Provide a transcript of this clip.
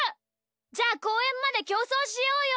じゃあこうえんまできょうそうしようよ！